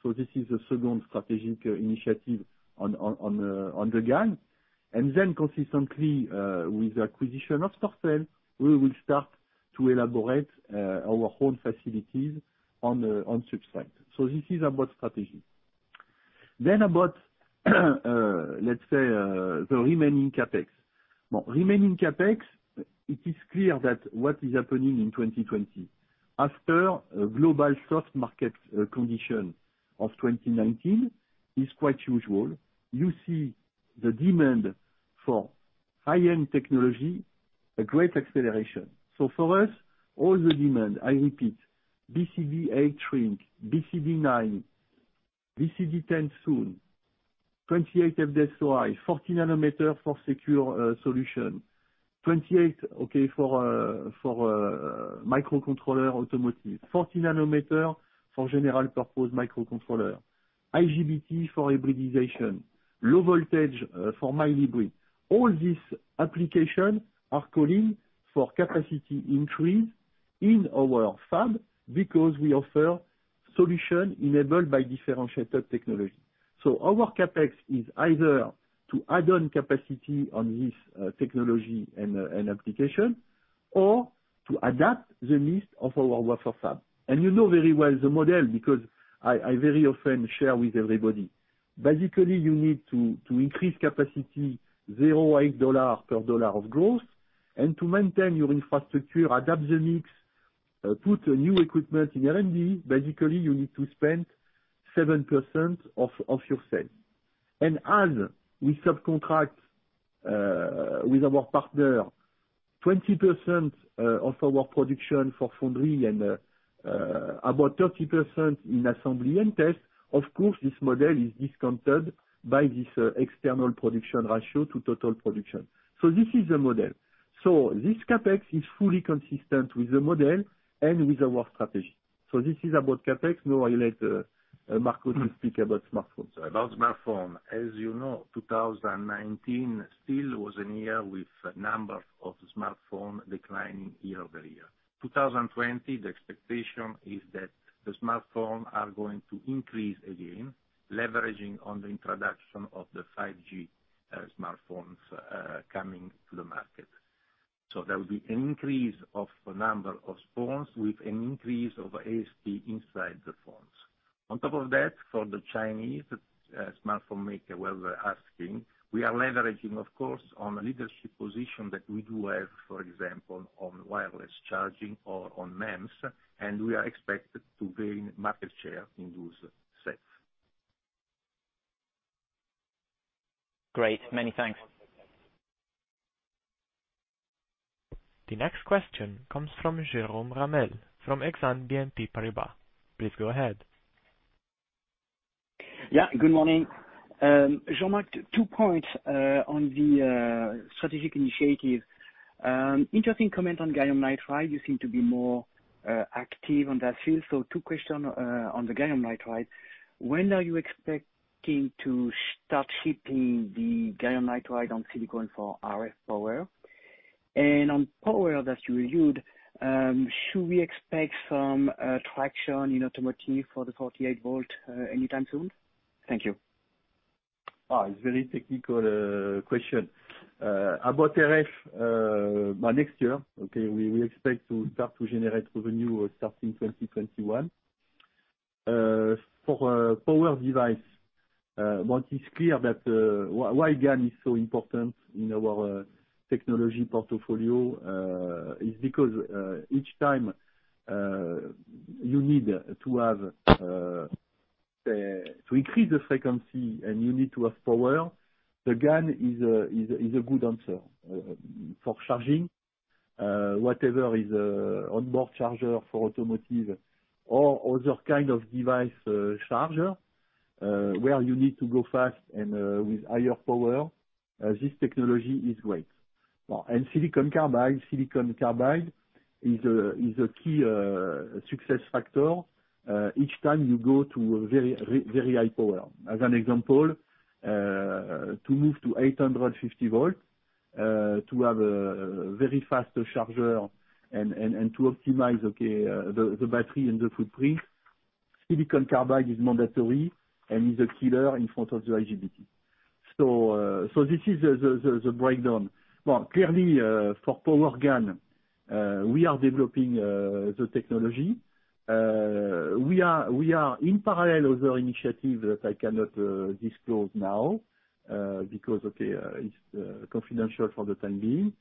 Speaker 3: trend. This is the second strategic initiative on the GaN. Consistently, with the acquisition of STMicroelectronics, we will start to elaborate our own facilities on substrate. This is about strategy. About the remaining CapEx. Remaining CapEx, it is clear that what is happening in 2020. After a global soft market condition of 2019, is quite usual. You see the demand for high-end technology, a great acceleration. For us, all the demand, I repeat, BCD8 shrink, BCD9, BCD10 soon. 28 FD-SOI, 40 nm for secure solution. 28 nm, okay, for microcontroller automotive. 40 nm for general purpose microcontroller. IGBT for hybridization. Low voltage for mild hybrid. All these applications are calling for capacity increase in our fab because we offer solutions enabled by differentiated technology. Our CapEx is either to add on capacity on this technology and applications, or to adapt the mix of our wafer fab. You know very well the model, because I very often share with everybody. Basically, you need to increase capacity $0.08 per dollar of growth. To maintain your infrastructure, adapt the mix, put new equipment in R&D, basically, you need to spend 7% of your sales. As we subcontract with our partner 20% of our production for foundry and about 30% in assembly and test, of course, this model is discounted by this external production ratio to total production. This is the model. This CapEx is fully consistent with the model and with our strategy. This is about CapEx. Now I let Marco to speak about smartphone, sorry.
Speaker 5: About smartphone. As you know, 2019 still was a year with number of smartphone declining year-over-year. 2020, the expectation is that the smartphone are going to increase again, leveraging on the introduction of the 5G smartphones coming to the market. There will be an increase of number of phones with an increase of ASP inside the phones. On top of that, for the Chinese smartphone maker were asking, we are leveraging, of course, on leadership position that we do have, for example, on wireless charging or on MEMS, and we are expected to gain market share in those sets.
Speaker 11: Great. Many thanks.
Speaker 1: The next question comes from Jérôme Ramel of Exane BNP Paribas. Please go ahead.
Speaker 12: Good morning. Jean-Marc, two points on the strategic initiative. Interesting comment on gallium nitride. You seem to be more active on that field. Two question on the gallium nitride. When are you expecting to start shipping the gallium nitride on silicon for RF power? On power that you reviewed, should we expect some traction in automotive for the 48 V anytime soon? Thank you.
Speaker 3: It's very technical question. About RF, by next year, we expect to start to generate revenue starting 2021. For power device, what is clear that why GaN is so important in our technology portfolio, is because each time you need to increase the frequency, and you need to have power, the GaN is a good answer. For charging, whatever is on board charger for automotive or other kind of device charger, where you need to go fast and with higher power, this technology is great. Silicon carbide is a key success factor each time you go to very high power. As an example, to move to 850 V, to have a very faster charger and to optimize the battery and the footprint, silicon carbide is mandatory and is a killer in front of the IGBT. This is the breakdown. Well, clearly, for power GaN, we are developing the technology. We are in parallel other initiative that I cannot disclose now, because okay, it's confidential for the time being.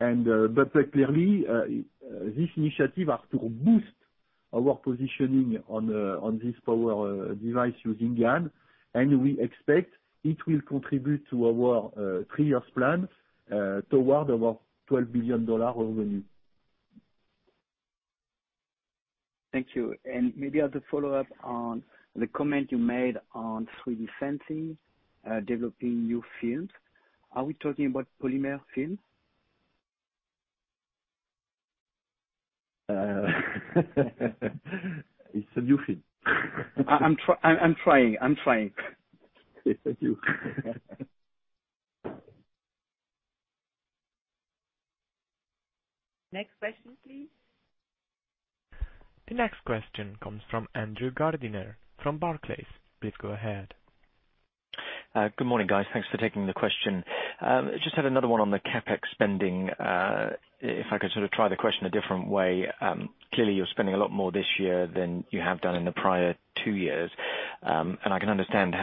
Speaker 3: Very clearly, this initiative are to boost our positioning on this power device using GaN, and we expect it will contribute to our three years plan toward about $12 billion revenue.
Speaker 12: Thank you. Maybe as a follow-up on the comment you made on 3D sensing, developing new films. Are we talking about polymer films?
Speaker 3: It's a new film.
Speaker 12: I'm trying.
Speaker 3: Thank you.
Speaker 2: Next question, please.
Speaker 1: The next question comes from Andrew Gardiner from Barclays. Please go ahead.
Speaker 13: Good morning, guys. Thanks for taking the question. Just had another one on the CapEx spending. If I could sort of try the question a different way. Clearly, you're spending a lot more this year than you have done in the prior two years. I can understand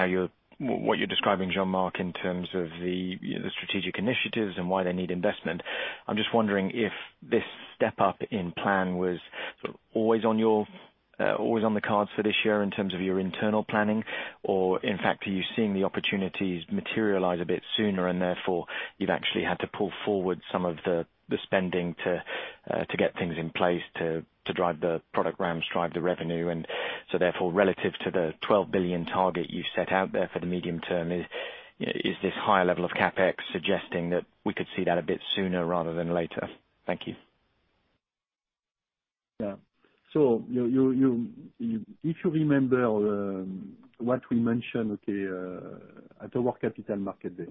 Speaker 13: what you're describing, Jean-Marc, in terms of the strategic initiatives and why they need investment. I'm just wondering if this step up in plan was always on the cards for this year in terms of your internal planning. In fact, are you seeing the opportunities materialize a bit sooner and therefore you've actually had to pull forward some of the spending to get things in place to drive the product RAMs, drive the revenue. Therefore, relative to the $12 billion target you set out there for the medium term, is this higher level of CapEx suggesting that we could see that a bit sooner rather than later? Thank you.
Speaker 3: Yeah. If you remember what we mentioned, okay, at our capital market day.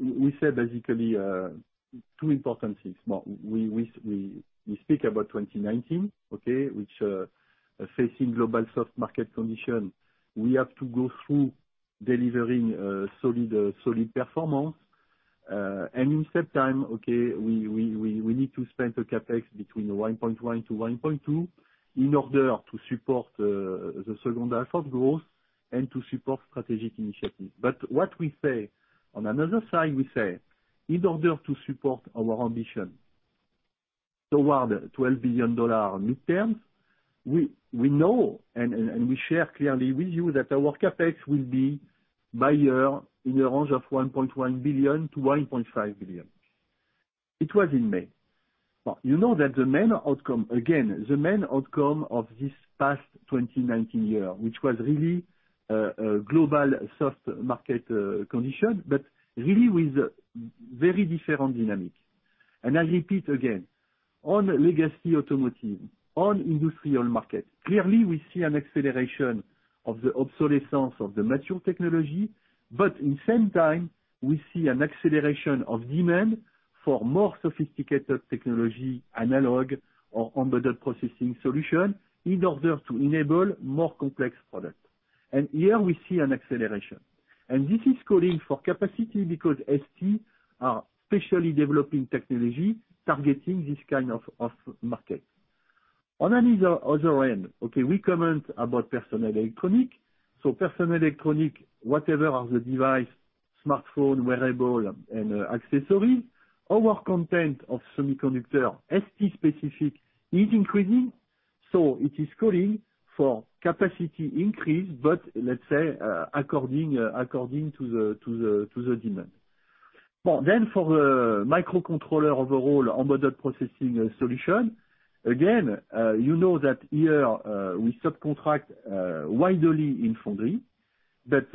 Speaker 3: We said basically two important things. We speak about 2019, okay, which facing global soft market condition, we have to go through delivering a solid performance. In step time, okay, we need to spend the CapEx between $1.1 billion-$1.2 billion in order to support the second half of growth and to support strategic initiatives. What we say, on another side, we say in order to support our ambition toward the $12 billion midterms, we know and we share clearly with you that our CapEx will be by year in the range of $1.1 billion-$1.5 billion. It was in May. You know that the main outcome of this past 2019 year, which was really a global soft market condition, but really with very different dynamic. I repeat again, on legacy automotive, on industrial market, clearly we see an acceleration of the obsolescence of the mature technology. In same time, we see an acceleration of demand for more sophisticated technology, analog or embedded processing solution in order to enable more complex product. Here we see an acceleration. This is calling for capacity because ST are specially developing technology targeting this kind of market. On other end, okay, we comment about personal electronic. Personal electronic, whatever are the device, smartphone, wearable, and accessories, our content of semiconductor ST specific is increasing. It is calling for capacity increase, but let's say according to the demand. For the microcontroller overall embedded processing solution, again, you know that here, we subcontract widely in foundry, that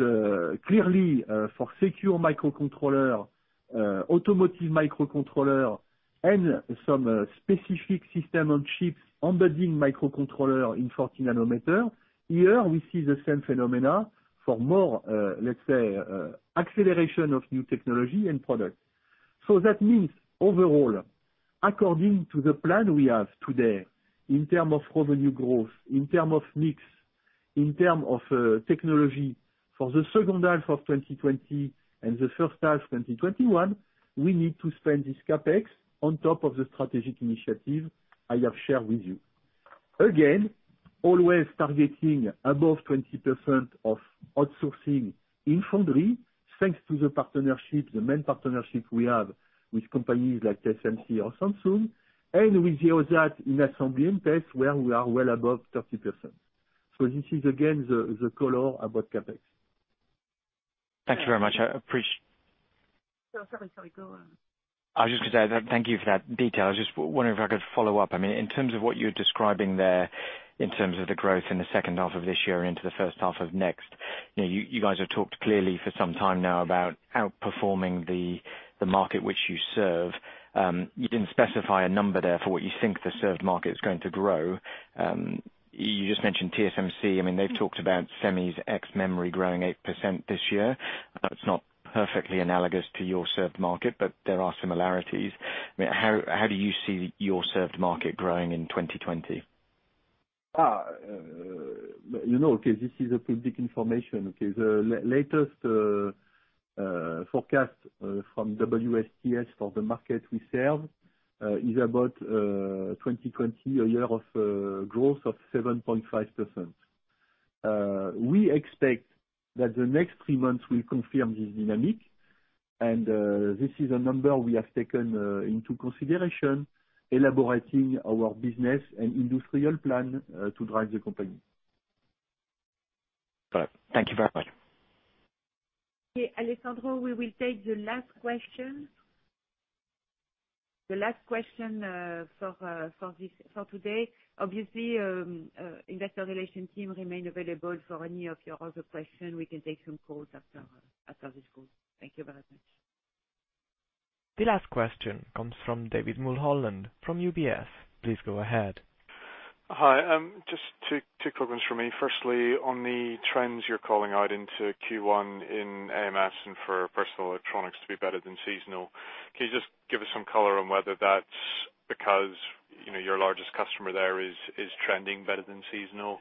Speaker 3: clearly, for secure microcontroller, automotive microcontroller, and some specific system on chips embedding microcontroller in 40 nm. Here we see the same phenomena for more, let's say, acceleration of new technology and product. That means overall, according to the plan we have today in term of revenue growth, in term of mix, in term of technology for the second half of 2020 and the first half 2021, we need to spend this CapEx on top of the strategic initiative I have shared with you. Again, always targeting above 20% of outsourcing in foundry, thanks to the partnership, the main partnership we have with companies like TSMC or Samsung, and with OSAT and Assembly and Test, where we are well above 30%. This is again the color about CapEx.
Speaker 13: Thank you very much.
Speaker 2: Sorry. Go on.
Speaker 13: I was just gonna say thank you for that detail. I was just wondering if I could follow up. In terms of what you're describing there, in terms of the growth in the second half of this year into the first half of next, you guys have talked clearly for some time now about outperforming the market which you serve. You didn't specify a number there for what you think the served market is going to grow. You just mentioned TSMC. They've talked about semis ex memory growing 8% this year. That's not perfectly analogous to your served market, but there are similarities. How do you see your served market growing in 2020?
Speaker 3: You know, okay, this is public information. Okay. The latest forecast from WSTS for the market we serve, is about 2020, a year of growth of 7.5%. We expect that the next three months will confirm this dynamic. This is a number we have taken into consideration elaborating our business and industrial plan to drive the company.
Speaker 13: Got it. Thank you very much.
Speaker 2: Okay, Alessandro, we will take the last question. The last question for today. Obviously, investor relation team remain available for any of your other question. We can take some calls after this call. Thank you very much.
Speaker 1: The last question comes from David Mulholland from UBS. Please go ahead.
Speaker 14: Hi. Just two quick ones from me. Firstly, on the trends you're calling out into Q1 in AMS and for personal electronics to be better than seasonal, can you just give us some color on whether that's because your largest customer there is trending better than seasonal,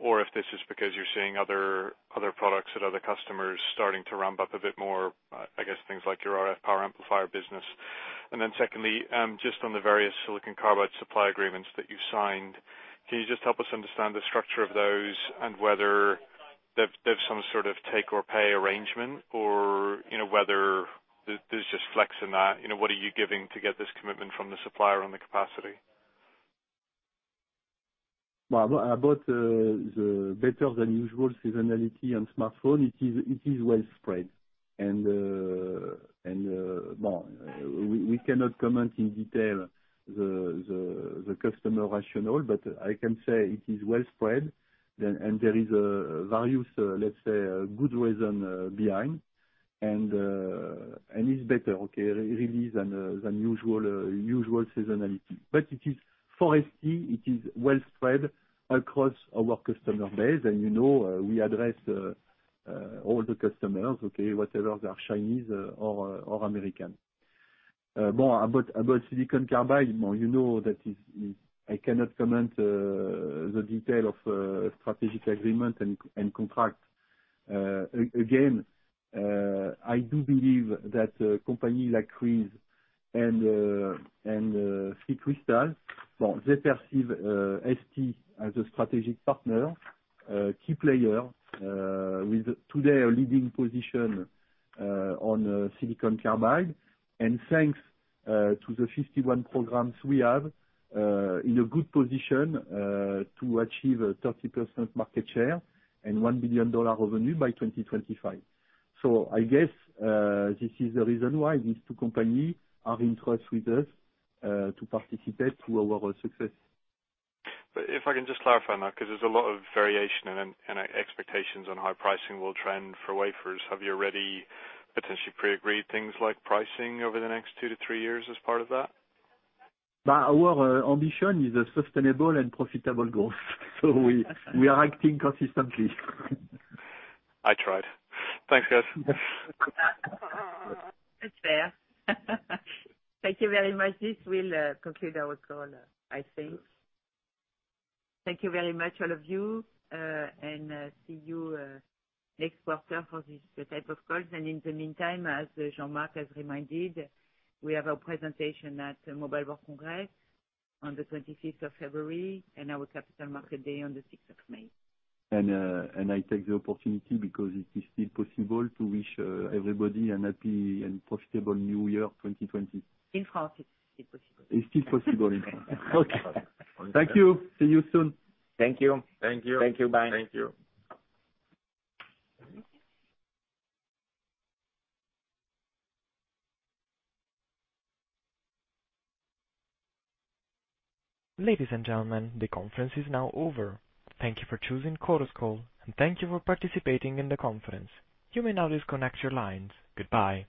Speaker 14: or if this is part seeing other products that other customers starting to ramp up a bit more, I guess things like your RF power amplifier business. Secondly, just on the various silicon carbide supply agreements that you've signed, can you just help us understand the structure of those and whether they have some sort of take or pay arrangement or whether there's just flex in that? What are you giving to get this commitment from the supplier on the capacity?
Speaker 3: About the better than usual seasonality on smartphone, it is well spread. Well, we cannot comment in detail the customer rationale, but I can say it is well spread, and there is a various, let's say, good reason behind. It's better, okay, really than usual seasonality. It is for ST, it is well spread across our customer base. We address all the customers, okay, whatever, they are Chinese or American. More about silicon carbide, you know that I cannot comment the detail of strategic agreement and contract. Again, I do believe that companies like Cree and SiCrystal, well, they perceive ST as a strategic partner, key player, with today a leading position on silicon carbide. Thanks to the 51 programs we have, in a good position to achieve a 30% market share and $1 billion revenue by 2025. I guess this is the reason why these two companies are in trust with us to participate to our success.
Speaker 14: If I can just clarify on that, because there's a lot of variation and expectations on how pricing will trend for wafers. Have you already potentially pre-agreed things like pricing over the next two to three years as part of that?
Speaker 3: Our ambition is a sustainable and profitable growth. We are acting consistently.
Speaker 14: I tried. Thanks, guys.
Speaker 2: That's fair. Thank you very much. This will conclude our call, I think. Thank you very much, all of you, and see you next quarter for this type of calls. In the meantime, as Jean-Marc has reminded, we have a presentation at Mobile World Congress on the 25th of February and our capital market day on the 6th of May.
Speaker 3: I take the opportunity because it is still possible to wish everybody a happy and profitable New Year 2020.
Speaker 2: In France, it's still possible.
Speaker 3: It's still possible in France.
Speaker 14: Okay.
Speaker 3: Thank you. See you soon.
Speaker 7: Thank you. Thank you. Thank you. Bye. Thank you.
Speaker 5: Thank you.
Speaker 1: Ladies and gentlemen, the conference is now over. Thank you for choosing Chorus Call, and thank you for participating in the conference. You may now disconnect your lines. Goodbye.